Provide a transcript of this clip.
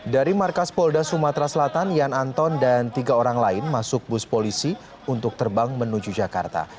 dari markas polda sumatera selatan yan anton dan tiga orang lain masuk bus polisi untuk terbang menuju jakarta